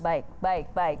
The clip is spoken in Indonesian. baik baik baik